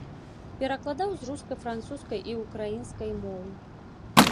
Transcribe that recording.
Перакладаў з рускай, французскай і ўкраінскай моў.